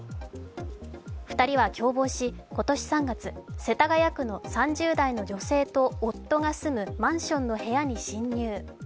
２人は共謀し、今年３月、世田谷区の３０代の女性と夫が住むマンションの部屋に侵入。